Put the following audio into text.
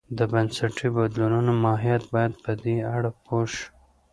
د بنسټي بدلونو ماهیت باید په دې اړه پوه شو.